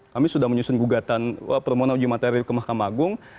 kami sudah menyusun gugatan permohonan uji materi ke mahkamah agung